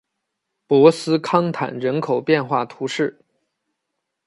博斯康坦人口变化图示